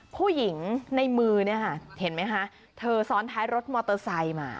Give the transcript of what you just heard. ผู้หญิงในมือเนี่ยค่ะเห็นไหมคะเธอซ้อนท้ายรถมอเตอร์ไซค์มา